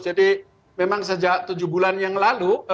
jadi memang sejak tujuh bulan yang lalu